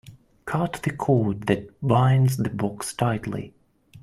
Cut the cord that binds the box tightly.